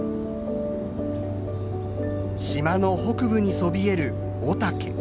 島の北部にそびえる御岳。